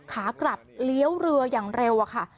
ขากลับเลี้ยวเรืออย่างเร็วอะค่ะ